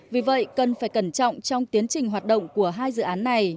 vì vậy cần phải cẩn trọng trong tiến trình hoạt động của hai dự án này